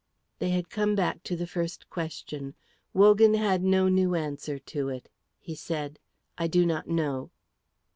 They had come back to the first question. Wogan had no new answer to it. He said, "I do not know."